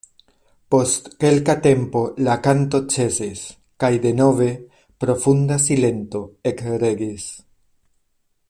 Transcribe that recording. Post kelka tempo la kanto ĉesis, kaj denove profunda silento ekregis.